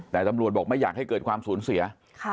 แต่ตำรวจบอกไม่อยากให้เกิดความสูญเสีย